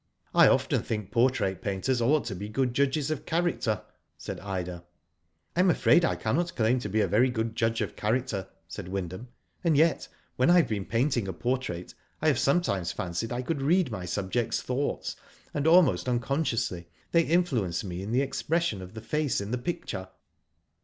*'I often think portrait painters ought to be good judges of character," said Ida. " I am afraid I cannot claim to be a very good judge of character," said Wyndham. And yet, when I have been painting a portrait, I have sometimes fancied I could read my subject's thoughts, and, almost unconsciously, they influence me in the expression of the face in the picture."